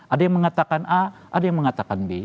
ada yang mengatakan a ada yang mengatakan b